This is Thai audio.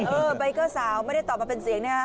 ใบเกอร์สาวไม่ได้ตอบมาเป็นเสียงนะฮะ